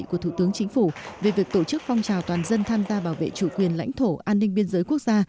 của thủ tướng chính phủ về việc tổ chức phong trào toàn dân tham gia bảo vệ chủ quyền lãnh thổ an ninh biên giới quốc gia